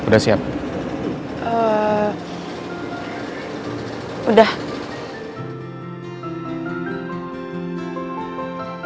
dan gue gak peduli apa kata orang